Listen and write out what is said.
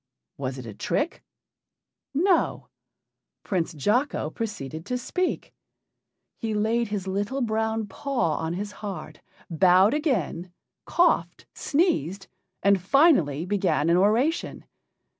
Was it a trick? No; Prince Jocko proceeded to speak. He laid his little brown paw on his heart, bowed again, coughed, sneezed, and finally began an oration.